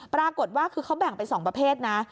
ปรากฏว่าคือเขาแบ่งเป็น๒ประเภทนะ